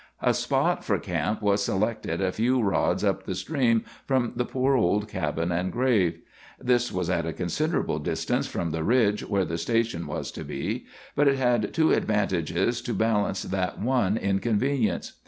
A spot for camp was selected a few rods up the stream from the poor old cabin and grave. This was at a considerable distance from the ridge where the station was to be, but it had two advantages to balance that one inconvenience.